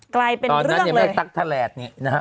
กลายเป็นเรื่องเลยตอนนั้นยังไม่ได้ตั๊กแทรกเนี่ยนะฮะ